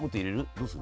どうする？